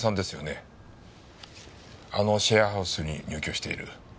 あのシェアハウスに入居している。